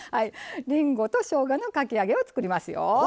りんごとしょうがのかき揚げを作りますよ。